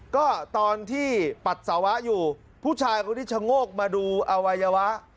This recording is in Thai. ก็ตอนที่ปัสสาวะอยู่ผู้ชายคนที่ชะโงกมาดูอวัยวะ